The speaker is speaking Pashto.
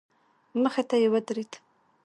مخې ته يې ودرېد.